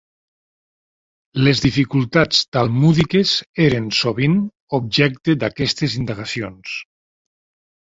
Les dificultats talmúdiques eren sovint objecte d'aquestes indagacions.